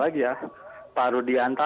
ada yang berada di dalamnya